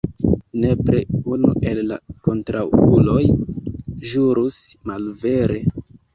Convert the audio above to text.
Nepre unu el la kontraŭuloj ĵurus malvere.